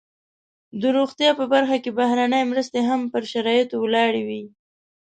د روغتیا په برخه کې بهرنۍ مرستې هم پر شرایطو ولاړې وي.